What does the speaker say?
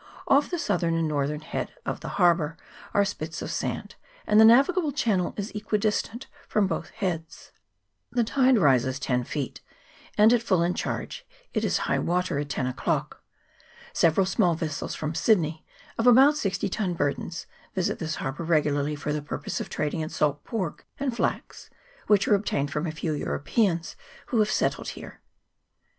Off the southern and northern head of the harbour are spits of sand, and the navigable channel is equidistant from both heads. The tide rises ten ieet, and at full and change it is high water at ten VOL. i. x 306 WAINGAROA HARBOUR. [PART II. o'clock. Several small vessels from Sydney, of about sixty tons burden, visit this harbour regularly for the purpose of trading in salt pork and flax, which are obtained from a few Europeans who have settled here.